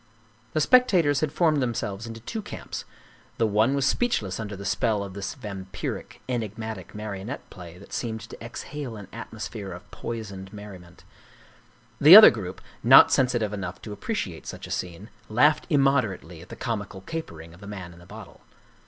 The spectators had formed themselves into two camps. The one was speechless under the spell of this vampiric, enigmatic marionette play that seemed to exhale an atmos phere of poisoned merriment; the other group, not sensi tive enough to appreciate such a scene, laughed immoder ately at the comical capering of the man in the bottle.